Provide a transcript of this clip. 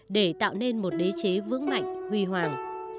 để tạo nên một đế chế vững mạnh huy hoàng